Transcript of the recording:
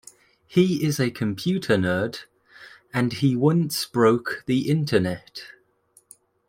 He is a computer nerd, and he once "broke" the Internet.